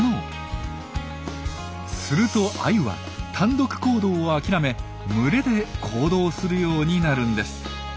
するとアユは単独行動を諦め群れで行動するようになるんです。